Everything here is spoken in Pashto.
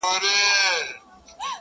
o په ښکارپورۍ سترگو کي، راته گلاب راکه،